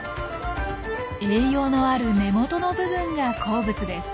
栄養のある根元の部分が好物です。